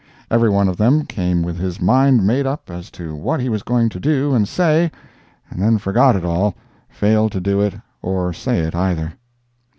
Every one of them came with his mind made up as to what he was going to do and say, and then forgot it all, failed to do it or say it either.